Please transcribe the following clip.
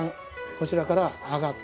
こちらから上がって